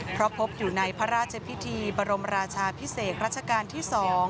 เพราะพบอยู่ในพระราชพิธีบรมราชาพิเศษรัชกาลที่๒